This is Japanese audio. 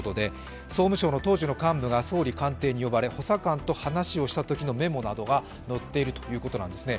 総務省の答辞の幹部が総理官邸に呼ばれ補佐官と話しをしたときのメモなどが載っているということなんですね。